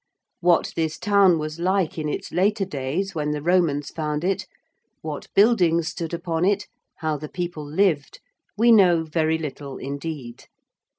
What this town was like in its later days when the Romans found it; what buildings stood upon it; how the people lived, we know very little indeed.